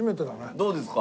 どうですか？